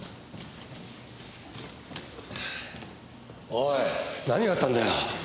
おい何があったんだよ？